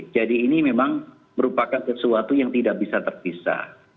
jadi ini memang merupakan sesuatu yang tidak bisa terpisah